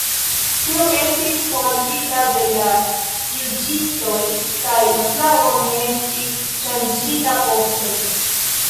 Tio estis forigita de la juĝistoj kaj la flago ne estis ŝanĝita poste.